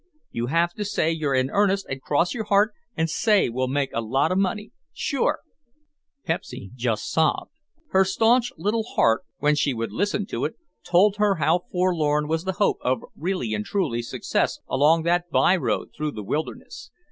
You have to say you're in earnest and cross your heart and say we'll make a lot of money—sure." Pepsy just sobbed. Her staunch little heart (when she would listen to it) told her how forlorn was the hope of "really and truly" success along that by road through the wilderness.